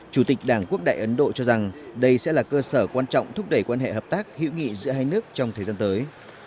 chủ tịch đảng quốc đại ấn độ cho rằng đây sẽ là cơ sở quan trọng thúc đẩy quan hệ hợp tác hữu nghị giữa hai nước trong thời gian tới